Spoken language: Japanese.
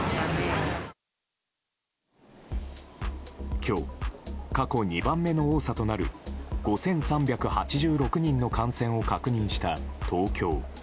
今日、過去２番目の多さとなる５３８６人の感染を確認した東京。